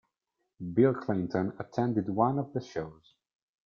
Bill Clinton attended one of the shows.